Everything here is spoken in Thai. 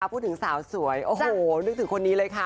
พูดถึงสาวสวยโอ้โหนึกถึงคนนี้เลยค่ะ